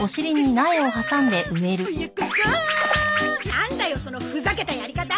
なんだよそのふざけたやり方！